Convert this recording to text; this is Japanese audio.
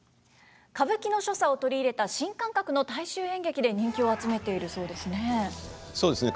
歌舞伎の所作を取り入れた新感覚の大衆演劇で人気を集めているそうですね。